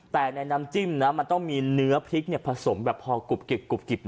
แต่ในน้ำจิ้มมันต้องมีเนื้อพริกผสมพอกรุบกริบหน่อย